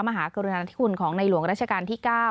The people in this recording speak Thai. มหากรุณาธิคุณของในหลวงราชการที่๙